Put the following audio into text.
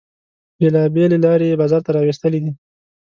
بیلابیلې لارې یې بازار ته را ویستلې دي.